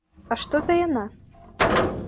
А што за яна?